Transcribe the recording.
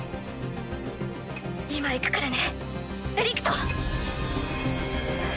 今行くからねエリクト。